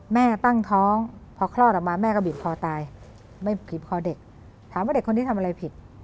แม่ตั้งท้องพอคลอดออกมาแม่ก็บีบคอตายไม่บีบคอเด็กถามว่าเด็กคนนี้ทำอะไรผิด